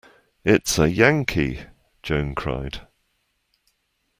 It's a Yankee, Joan cried.